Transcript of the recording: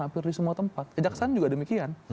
hampir di semua tempat kejaksaan juga demikian